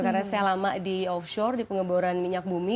karena saya lama di offshore di pengeboran minyak bumi